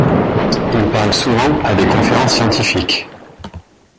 Il parle souvent à des conférences scientifiques.